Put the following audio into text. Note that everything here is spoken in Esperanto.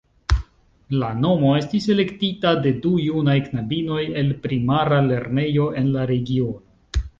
La nomo estis elektita de du junaj knabinoj el primara lernejo en la regiono.